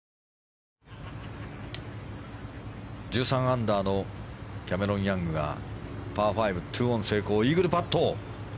１３アンダーのキャメロン・ヤングがパー５、２オン成功でイーグルパット。